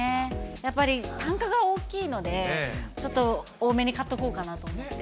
やっぱり単価が大きいので、ちょっと多めに買っとこうかなと思って。